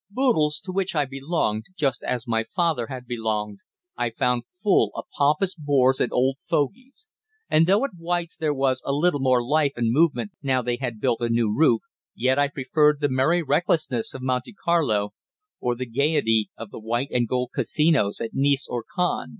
Boodles, to which I belonged, just as my father had belonged, I found full of pompous bores and old fogeys; and though at White's there was a little more life and movement now they had built a new roof, yet I preferred the merry recklessness of Monte Carlo, or the gaiety of the white and gold casinos at Nice or Cannes.